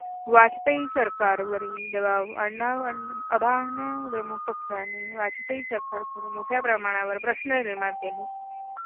वाजपेयी सरकार वरील दबाव अभाअण्णाद्रमुक पक्षाने वाजपेयी सरकारपुढे मोठया प्रमाणावर प्रश्न निर्माण केले.